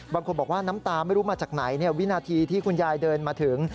บางคนบอกว่าน้ำตาไม่รู้มาจากไหนวินาทีที่คุณยายเดินมาถึง